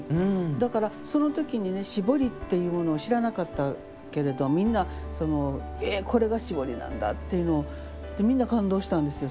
だからその時に絞りっていうものを知らなかったけれどみんなえっこれが絞りなんだっていうのをみんな感動したんですよ。